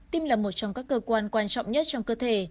tim là một trong các cơ quan quan trọng nhất trong cơ thể